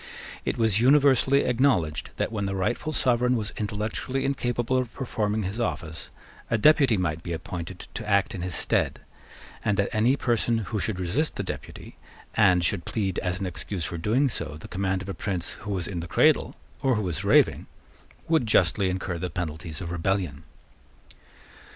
It was universally acknowledged that, when the rightful sovereign was intellectually incapable of performing his office, a deputy might be appointed to act in his stead, and that any person who should resist the deputy, and should plead as an excuse for doing so the command of a prince who was in the cradle, or who was raving, would justly incur the penalties of rebellion.